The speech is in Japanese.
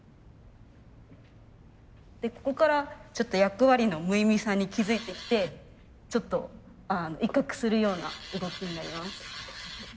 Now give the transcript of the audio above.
でここからちょっと役割の無意味さに気付いてきてちょっと威嚇するような動きになります。